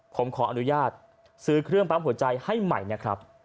ผมขออนุญาตซื้อเครื่องปั๊มหัวใจให้ใหม่นะครับ